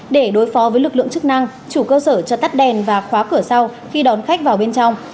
để đối phó với lực lượng chức năng chủ cơ sở cho tắt đèn và khóa cửa sau khi đón khách vào bên trong